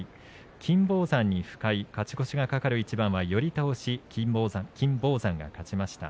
金峰山、深井勝ち越しの懸かる一番は寄り倒しで金峰山が勝ちました。